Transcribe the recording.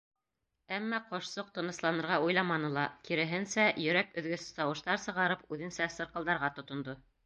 Әммә ҡошсоҡ тынысланырға уйламаны ла, киреһенсә, йөрәк өҙгөс тауыштар сығарып, үҙенсә сырҡылдарға тотондо.